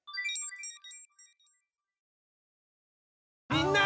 みんな！